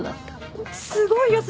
すごいよ雀。